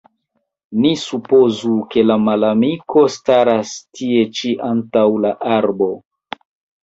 Ni supozu, ke la malamiko staras tie ĉi antaŭ la arbo.